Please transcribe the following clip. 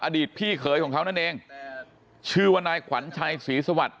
อดีตพี่เขยของเขานั่นเองชื่อว่านายขวัญชัยศรีสวัสดิ